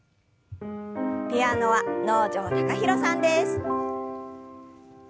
ピアノは能條貴大さんです。